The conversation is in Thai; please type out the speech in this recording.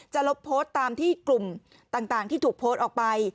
ลบโพสต์ตามที่กลุ่มต่างที่ถูกโพสต์ออกไป